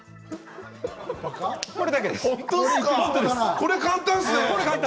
これ簡単ですね。